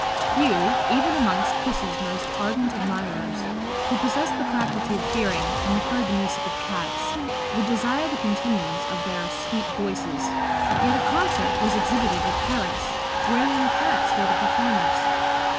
Few, even amongst Pussy's most ardent admirers, who possess the faculty of hearing, and have heard the music of Cats, would desire the continuance of their "sweet voices"; yet a concert was exhibited at Paris, wherein Cats were the performers.